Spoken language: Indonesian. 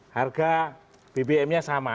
harga bbm nya sama